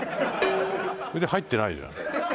それで入ってないじゃん。